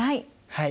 はい！